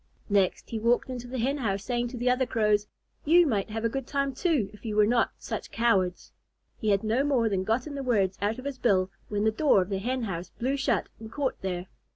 Next he walked into the Hen house, saying to the other Crows, "You might have a good time, too, if you were not such cowards." He had no more than gotten the words out of his bill, when the door of the Hen house blew shut and caught there.